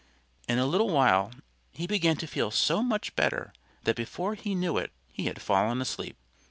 In a little while he began to feel so much better that before he knew it he had fallen asleep.